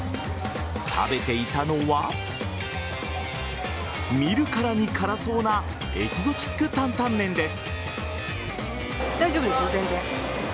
食べていたのは見るからに辛そうなエキゾチック担々麺です。